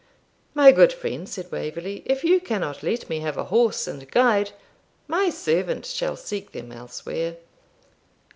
'My good friend,' said Waverley, 'if you cannot let me have a horse and guide, my servant shall seek them elsewhere.'